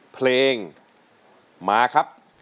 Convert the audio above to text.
เพลงมาครับ